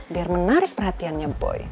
biar menarik perhatiannya boy